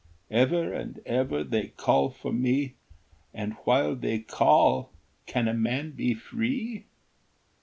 Ever and ever they call for me, And while they call can a man be free?